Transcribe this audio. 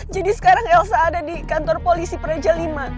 jadi sekarang elsa ada di kantor polisi pereja lima